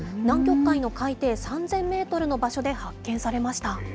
南極海の海底３０００メートルの場所で発見されました。